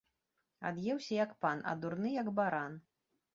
Ад'еўся як пан, а дурны, як баран